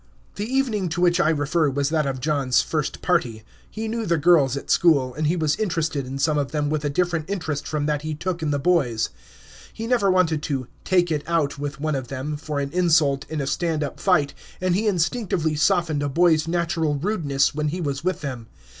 The evening to which I refer was that of John's first party. He knew the girls at school, and he was interested in some of them with a different interest from that he took in the boys. He never wanted to "take it out" with one of them, for an insult, in a stand up fight, and he instinctively softened a boy's natural rudeness when he was with them.